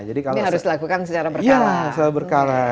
ini harus dilakukan secara berkala